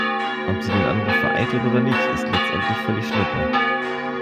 Ob sie den Angriff vereiteln oder nicht, ist letztlich völlig schnuppe.